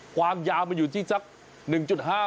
ความยาวมันอยู่ที่สัก๑๕